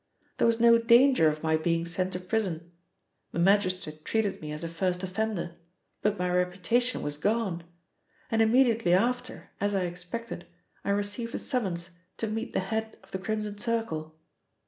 There was no danger of my being sent to prison. The magistrate treated me as a first offender, but my reputation was gone, and immediately after, as I expected, I received a summons to meet the head of the Crimson Circle.